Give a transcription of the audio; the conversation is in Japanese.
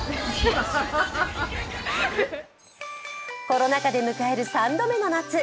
コロナ禍で迎える３度目の夏。